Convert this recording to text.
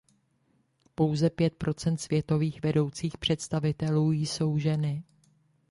Pouze pět procent světových vedoucích představitelů jsou ženy.